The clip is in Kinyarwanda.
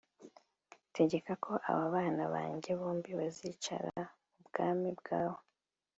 Tegeka ko aba bana banjye bombi bazicara mu bwami bwawe